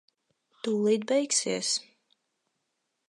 Tūlīt beigsies.